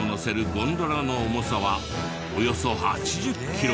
ゴンドラの重さはおよそ８０キロ。